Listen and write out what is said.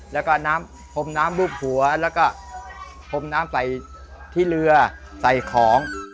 แล้วก็น้ำพรมน้ำรูปหัวแล้วก็พรมน้ำใส่ที่เรือใส่ของ